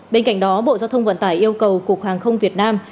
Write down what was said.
bên cạnh đó bộ giao thông vận tải yêu cầu cục hàng không việt nam